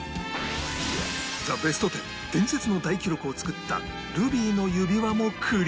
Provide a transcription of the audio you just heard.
『ザ・ベストテン』伝説の大記録を作った『ルビーの指環』もクリア